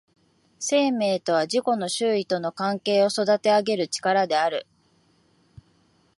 生命とは自己の周囲との関係を育てあげる力である。